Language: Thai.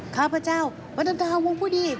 ข้าพเจ้าวันดาววงภูดี